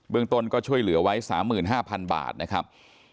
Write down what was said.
ต้นก็ช่วยเหลือไว้๓๕๐๐๐บาทนะครับ